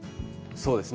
そうですね。